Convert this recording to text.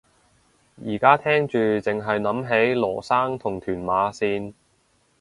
而家聽住剩係諗起羅生同屯馬綫